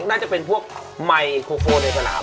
น่าจะเป็นพวกไมโคโก้ในสนาม